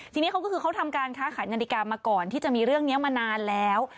ทีนี้เขาก็คือเขาทำการค้าขายนาฬิกามาก่อนที่จะมีเรื่องนี้มานานแล้ว